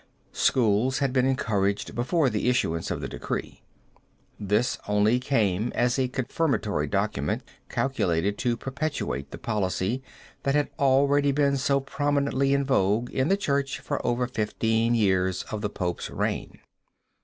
Schools had been encouraged before the issuance of the decree. This only came as a confirmatory document calculated to perpetuate the policy that had already been so prominently in vogue in the church for over fifteen years of the Pope's reign.